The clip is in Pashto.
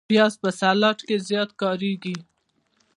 پیاز په سلاد کې زیات کارېږي